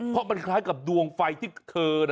เพราะมันคล้ายกับดวงไฟที่เธอ